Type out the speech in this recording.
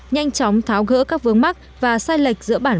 nhanh chóng tháo gỡ các vướng mắt và sai lệch giữa bản đồng